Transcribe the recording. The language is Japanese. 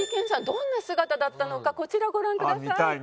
どんな姿だったのかこちらご覧ください。